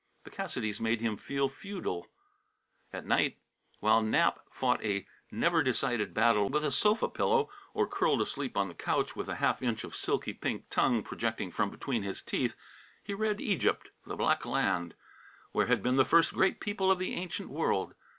The Cassidys made him feel feudal. At night, while Nap fought a never decided battle with a sofa pillow, or curled asleep on the couch with a half inch of silly pink tongue projecting from between his teeth, he read of Egypt, the black land, where had been the first great people of the ancient world.